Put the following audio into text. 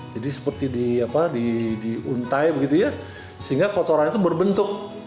jadi seperti di untai begitu ya sehingga kotoran itu berbentuk